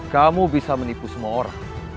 kamu bisa menipu semua orang